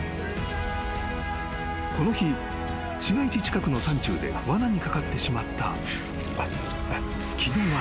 ［この日市街地近くの山中でわなにかかってしまったツキノワグマ］